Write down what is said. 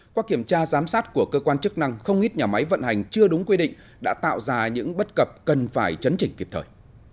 qua kiểm tra giám sát của cơ quan chức năng không ít nhà máy vận hành chưa đúng quy định đã tạo ra những bất cập cần phải chấn chỉnh kịp thời